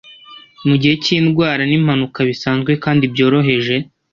mu gihe cy’indwara n’impanuka bisanzwe kandi byoroheje